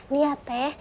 nih ya teh